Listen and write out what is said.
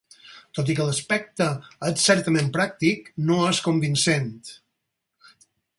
Tot i que l'aspecte és certament pràctic, no és convincent.